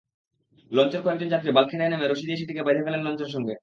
লঞ্চের কয়েকজন যাত্রী বাল্কহেডে নেমে রশি দিয়ে সেটিকে বেঁধে ফেলেন লঞ্চের সঙ্গে।